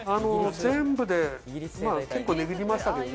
全部で結構値切りましたけど。